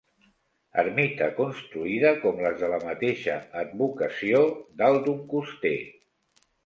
Ermita construïda, com les de la mateixa advocació, dalt d'un coster.